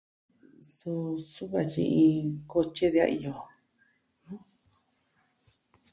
Suu su'va tyi iin kotye de a iyo.